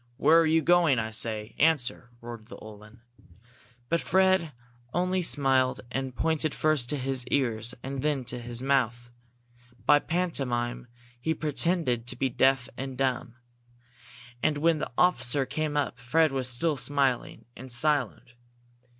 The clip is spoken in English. "Where are you going, I say? Answer!" roared the Uhlan. But Fred only smiled and pointed first to his ears and then to his mouth. By pantomime he pretended to be deaf and dumb. And when the officer came up, Fred was still smiling and silent.